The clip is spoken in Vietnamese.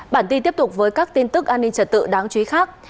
bản tin tiếp tục với các tin tức an ninh trật tự đáng chú ý khác